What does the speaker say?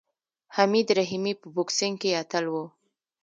حمید رحیمي په بوکسینګ کې اتل و.